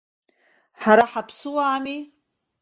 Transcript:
Ҳара ҳаԥсыуаами!